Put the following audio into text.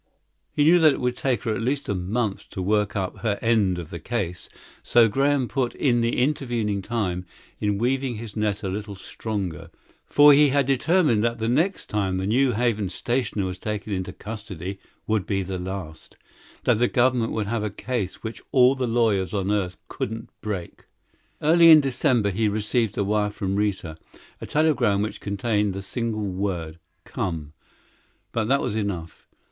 He knew that it would take her at least a month to work up her end of the case, so Graham put in the intervening time in weaving his net a little stronger, for he had determined that the next time the New Haven stationer was taken into custody would be the last that the government would have a case which all the lawyers on earth couldn't break. Early in December he received a wire from Rita a telegram which contained the single word, "Come" but that was enough.